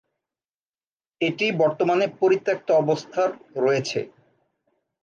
এটি বর্তমানে পরিত্যক্ত অবস্থার রয়েছে।